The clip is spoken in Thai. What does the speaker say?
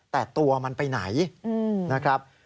แต่ตัวมันไปไหนนะครับ